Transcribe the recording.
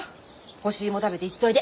干し芋食べて行っておいで。